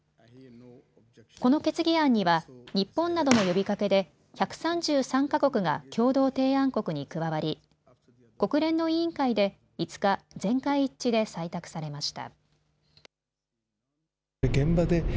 この決議案には日本などの呼びかけで１３３か国が共同提案国に加わり国連の委員会で５日、全会一致で採択されました。